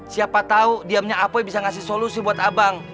siapa tahu diamnya apoi bisa ngasih solusi buat abang